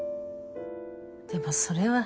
でもそれははい。